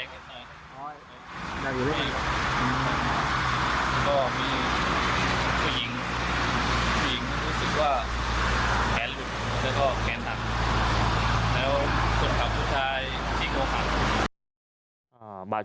ก็ก็เฉพาะไม่แน่ใจว่าเป็นอะไรบ้าง